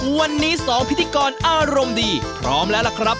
วันนี้๒พิธีกรอารมณ์ดีพร้อมแล้วล่ะครับ